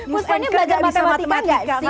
kuspa ini belajar matematika gak sih waktu kecil